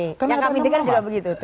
yang kami dengar juga begitu